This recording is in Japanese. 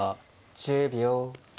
１０秒。